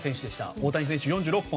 大谷選手、４６本。